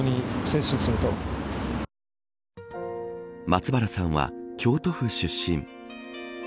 松原さんは、京都府出身。